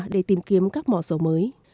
để tìm kiếm các mỏ dầu mới